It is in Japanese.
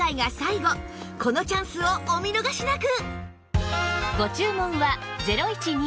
このチャンスをお見逃しなく！